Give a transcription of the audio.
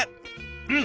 うん。